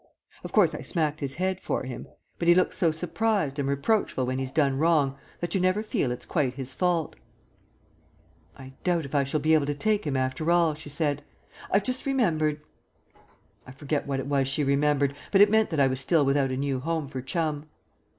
Of course, I smacked his head for him; but he looks so surprised and reproachful when he's done wrong that you never feel it's quite his fault." "I doubt if I shall be able to take him after all," she said. "I've just remembered " I forget what it was she remembered, but it meant that I was still without a new home for Chum.